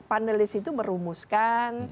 panelis itu merumuskan